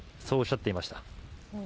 そうおっしゃっていました。